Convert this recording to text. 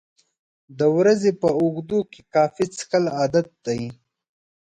د ورځې په اوږدو کې کافي څښل عادت دی.